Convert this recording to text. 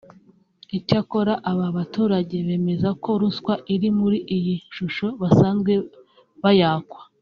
Icyakora aba baturage bemeza ko ‘ruswa’ iri muri iyi shusho basanzwe bayakwa